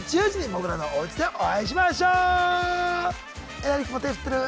えなり君も手振ってる。